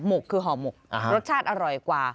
กคือห่อหมกรสชาติอร่อยกว่า